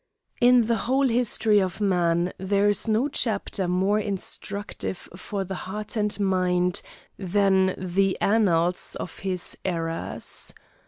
In the whole history of man there is no chapter more instructive for the heart and mind than the annals of his errors.